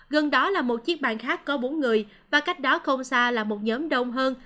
gần đó là một chiếc bàn khác có bốn người và cách đó không xa là một nhóm đông hơn